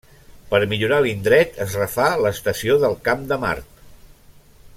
Per millorar l'indret, es refà l'Estació del Camp de Mart.